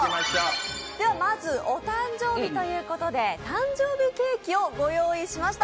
まず、お誕生日ということで誕生日ケーキをご用意しました。